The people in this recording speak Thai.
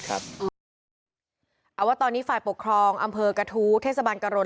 เอาว่าตอนนี้ฝ่ายปกครองอำเภอกฐูทศบันกะรม